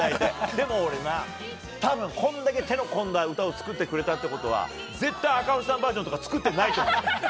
でも、多分これだけ手の込んだ歌を作ってくれたってことは絶対、赤星さんバージョンとか作ってないと思うよ。